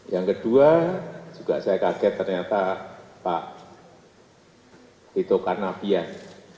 yang kedua juga saya kaget ternyata pak tito karnavian